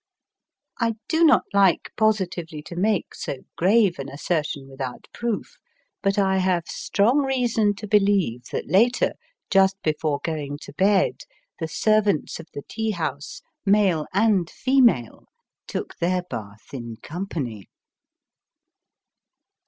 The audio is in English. I do not like positively to make so grave an assertion without proof; but I have strong Digitized by VjOOQIC 248 EAST BY WEST. reason to believe that later, just before going to bed, the servants of the tea house, male and female, took their bath in company.